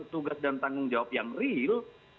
tugas dan tanggung jawab yang real